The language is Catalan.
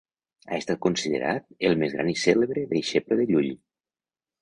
Ha estat considerat el més gran i cèlebre deixeble de Llull.